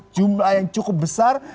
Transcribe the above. jumlah yang cukup besar